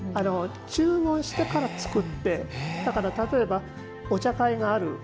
注文してから作って、だから、例えばお茶会がある。